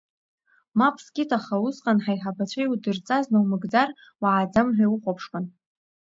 Мап скит, аха усҟан ҳаиҳабацәа иудырҵаз наумгӡар Уааӡам ҳәа иухәаԥшуан.